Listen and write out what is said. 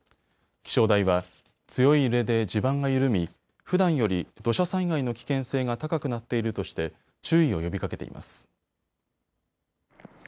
気象台は強い揺れで地盤が緩みふだんより土砂災害の危険性が高くなっているとして注意を呼びかけています。